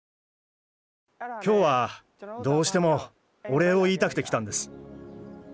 今日はどうしてもおれいを言いたくて来たんです。